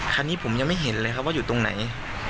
คันนี้ผมยังไม่เห็นเลยครับว่าอยู่ตรงไหน